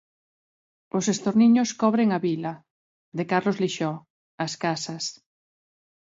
Os estorniños cobren a vila, de Carlos Lixó, As casas.